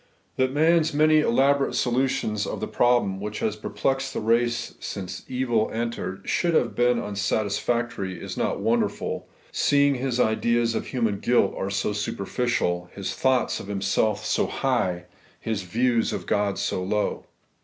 That man's many elaborate solutions of the problem which has perplexed the race since evil entered should have been unsatisfactory, is not wonderful, seeing his ideas of human guilt are so superficial; his thoughts of himself so high; his views of God so low.